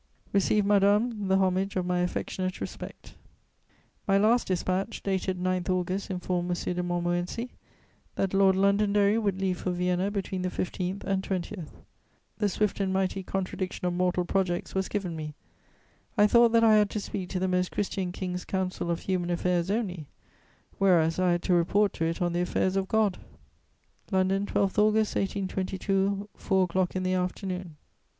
"Receive, madame, the homage of my affectionate respect." My last dispatch, dated 9 August, informed M. de Montmorency that Lord Londonderry would leave for Vienna between the 15th and 20th. The swift and mighty contradiction of mortal projects was given me; I thought that I had to speak to the Most Christian King's Council of human affairs only, whereas I had to report to it on the affairs of God: [Sidenote: Death of Lord Londonberry.] "LONDON, 12 August 1822, _four o'clock in the afternoon.